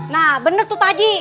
nah bener tuh pak haji